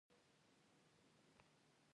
د بیان ازادي مهمه ده ځکه چې افغانستان ښه کوي.